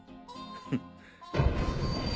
フッ。